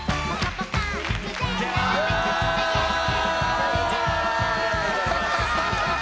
こんにちは！